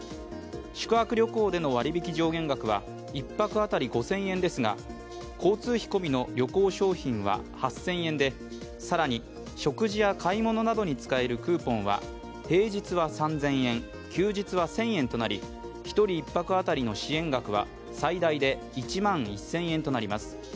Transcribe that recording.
宿泊旅行での割引上限額は１泊当たり５０００円ですが、交通費込みの旅行商品は８０００円で、更に食事や買い物などに使えるクーポンは平日は３０００円、休日は１０００円となり１人１泊当たりの支援額は最大で１万１０００円となります。